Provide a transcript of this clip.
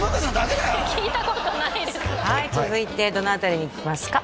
はい続いてどの辺りにいきますか？